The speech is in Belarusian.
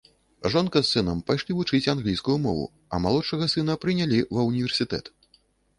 Жонка з сынам пайшлі вучыць англійскую мову, а малодшага сына прынялі ва ўніверсітэт.